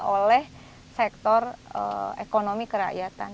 oleh sektor ekonomi kerakyatan